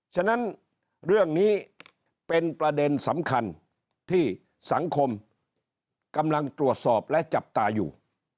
ฉะนั้นเรื่องนี้เป็นประเด็นสำคัญที่สังคมกำลังตรวจสอบและจับตาอยู่